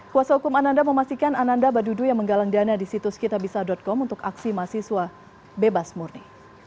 kuasa hukum ananda memastikan ananda badudu yang menggalang dana di situs kitabisa com untuk aksi mahasiswa bebas murni